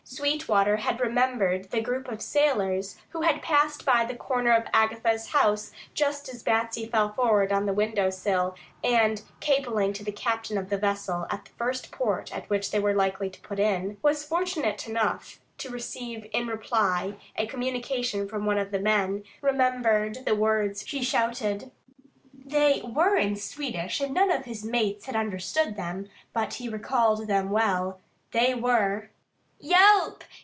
Sweetwater had remembered the group of sailors who had passed by the corner of Agatha's house just as Batsy fell forward on the window sill, and cabling to the captain of the vessel, at the first port at which they were likely to put in, was fortunate enough to receive in reply a communication from one of the men, who remembered the words she shouted. They were in Swedish and none of his mates had understood them, but he recalled them well. They were: "Hjelp!